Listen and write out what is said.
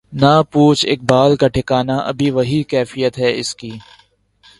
نہ پوچھ اقبال کا ٹھکانہ ابھی وہی کیفیت ہے اس کی